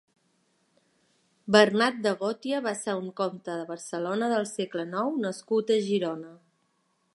Bernat de Gòtia va ser un comte de Barcelona del segle nou nascut a Girona.